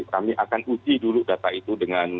kami akan uji dulu data itu dengan